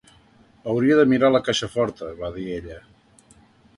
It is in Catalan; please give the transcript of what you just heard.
"Hauria de mirar a la caixa forta", va dir ella.